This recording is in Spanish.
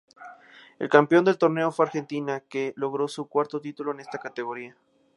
El campeón del torneo fue Argentina, que logró su cuarto título en esta categoría.